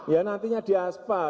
ya nantinya diaspal